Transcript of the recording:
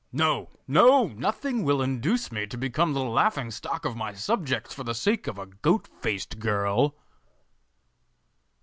No, no! nothing will induce me to become the laughing stock of my subjects for the sake of a goat faced girl!